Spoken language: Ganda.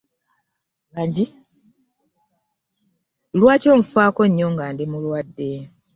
Lwaki onfaako nnyo nga ndi mulwade?